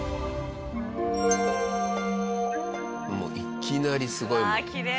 もういきなりすごいもんね。